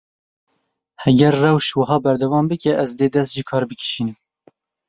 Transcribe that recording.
Eger rewş wiha berdewam bike, ez dê dest ji kar bikişînim.